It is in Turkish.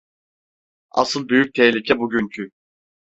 Asıl büyük tehlike bugünkü.